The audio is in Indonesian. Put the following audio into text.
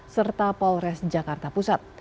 serta polres jakarta pusat